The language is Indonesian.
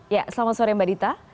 ya selamat sore mbak dita